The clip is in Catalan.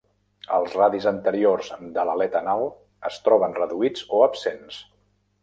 Els radis anteriors de l'aleta anal es troben reduïts o absents.